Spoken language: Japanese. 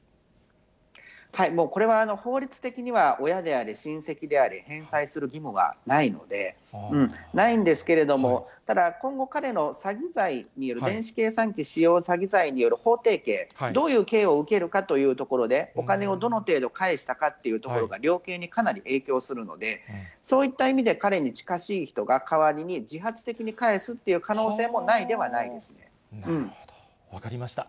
これは法律的には親であれ、親戚であれ、返済する義務はないので、ないんですけれども、ただ、今後、彼の詐欺罪による電子計算機使用詐欺罪による法定刑、どういう刑を受けるかというところで、お金をどの程度返したかというところが、量刑にかなり影響するので、そういった意味で、彼に近しい人が代わりに自発的に返すという可能性もないではないなるほど、分かりました。